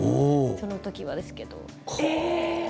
そのときはですけど。